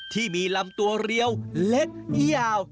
ที่มีลำตัวเรียวเล็กยาว